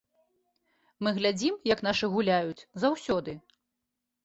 Мы глядзім, як нашы гуляюць, заўсёды.